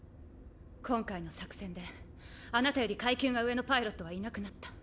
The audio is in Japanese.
今回の作戦であなたより階級が上のパイロットはいなくなった。